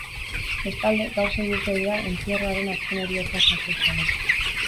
Bestalde, gaur sei urte dira entzierroaren azken heriotza jazo zela.